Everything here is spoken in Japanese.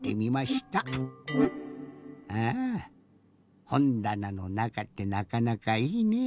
あぁほんだなのなかってなかなかいいね。